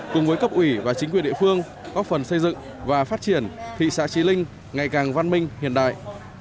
cùng với cấp ủy và chính quyền địa phương góp phần xây dựng và phát triển thị xã trí linh ngày càng văn minh hiện đại